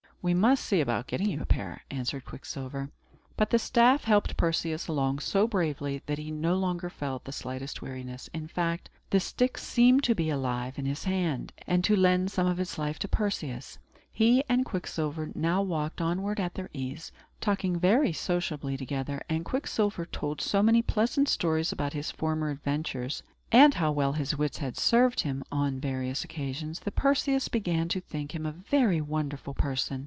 "We must see about getting you a pair," answered Quicksilver. But the staff helped Perseus along so bravely, that he no longer felt the slightest weariness. In fact, the stick seemed to be alive in his hand, and to lend some of its life to Perseus. He and Quicksilver now walked onward at their ease, talking very sociably together; and Quicksilver told so many pleasant stories about his former adventures, and how well his wits had served him on various occasions, that Perseus began to think him a very wonderful person.